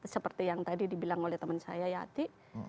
seperti yang tadi dibilang oleh teman saya yati